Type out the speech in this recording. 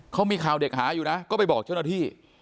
เขามีข่าวเด็กหาอยู่นะก็ไปบอกเจ้าหน้าที่